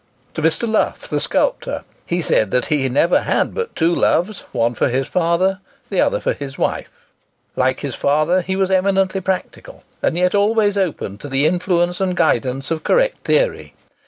To Mr. Lough, the sculptor, he said he had never had but two loves—one for his father, the other for his wife. Like his father, he was eminently practical, and yet always open to the influence and guidance of correct theory.